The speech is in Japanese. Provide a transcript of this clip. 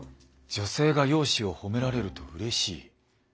女性が容姿を褒められるとうれしい。